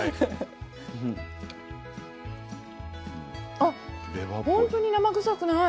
あほんとに生臭くない。